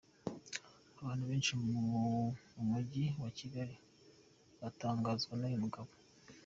Abantu benshi mu mujyi wa Kigali batangazwa n'uyu mugabo.